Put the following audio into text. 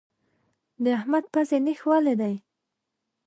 د احمد پزې نېښ ولی دی.